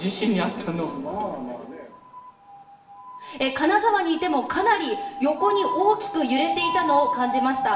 金沢にいてもかなり横に大きく揺れていたのを感じました。